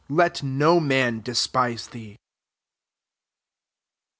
Let no man despise thee.